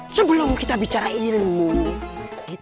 sebelum kita bicara ilmu